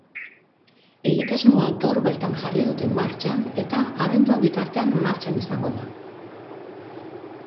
Egitasmoa gaur bertan jarri dute martxan, eta abenduak bitartean martxan izango da.